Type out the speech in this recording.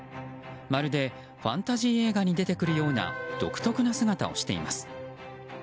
まるでファンタジー映画に出てくるような独特な姿をしています。